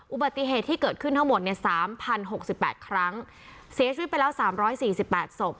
อุบัติเหตุที่เกิดขึ้นทั้งหมดเนี่ยสามพันหกสิบแปดครั้งเสียชีวิตไปแล้วสามร้อยสี่สิบแปดศพ